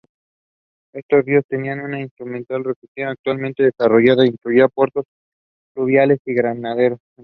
Estos ríos tenían una infraestructura fluvial altamente desarrollada que incluía puertos fluviales y graneros.